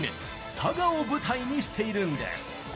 佐賀を舞台にしているんです。